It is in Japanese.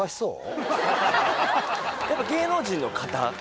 やっぱ芸能人の方